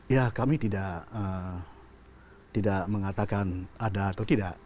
ya kami tidak mengatakan ada atau tidak